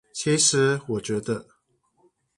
其實我覺得